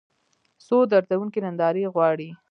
څو دردونکې نندارې غواړي